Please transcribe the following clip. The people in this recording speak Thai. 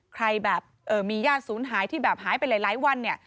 ใครแบบมีญาติศูนย์หายที่แบบหายไปหลายวันเนี่ย